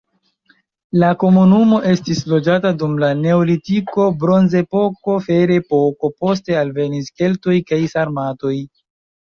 La komunumo estis loĝata dum la neolitiko, bronzepoko, ferepoko, poste alvenis keltoj kaj sarmatoj.